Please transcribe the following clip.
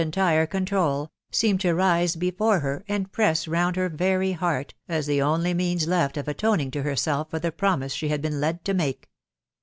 entire: control, seemed to rise before her, and press round her: very heart, aft: the only means left of atoning! to. herself fbv. the ;prornue sh« hod been led to* make..